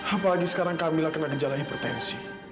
apalagi sekarang kamilah kena gejala hipertensi